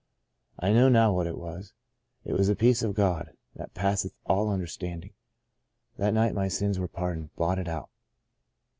I know now what it was. It was the peace of God, that passeth all understanding. That night my sins were pardoned — blotted out.